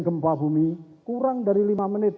gempa bumi kurang dari lima menit